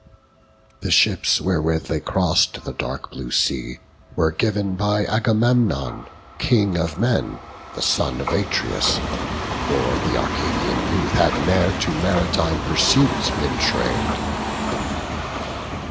The ships, wherewith they crossed the dark blue sea, Were giv'n by Agamemnon, King of men, The son of Atreus; for th' Arcadian youth Had ne'er to maritime pursuits been train'd.